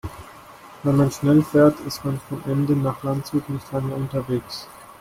Wenn man schnell fährt, ist man von Emden nach Landshut nicht lange unterwegs